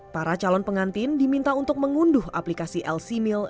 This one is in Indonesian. para calon pengantin diminta untuk mengunduh aplikasi lc mill